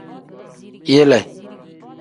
Yile.